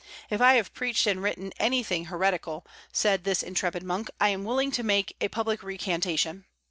"If I have preached and written anything heretical," said this intrepid monk, "I am willing to make a public recantation.